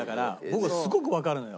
僕はすごくわかるのよ。